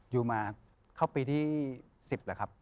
อยู่มาเข้าปีที่๑๐แล้วครับ